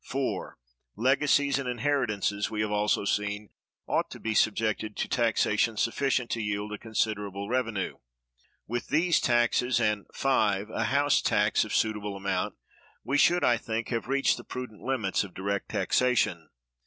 (4) Legacies and inheritances, we have also seen, ought to be subjected to taxation sufficient to yield a considerable revenue. With these taxes, and (5) a house tax of suitable amount, we should, I think, have reached the prudent limits of direct taxation.